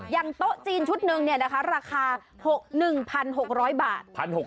อย่างโต๊ะจีนชุดนึงเนี่ยนะคะราคา๑๖๐๐บาท